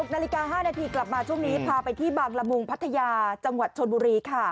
นาฬิกา๕นาทีกลับมาช่วงนี้พาไปที่บางละมุงพัทยาจังหวัดชนบุรีค่ะ